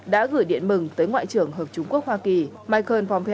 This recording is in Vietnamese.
đã gửi điện mừng tới ngoại trưởng hợp chúng quốc hoa kỳ michael vompe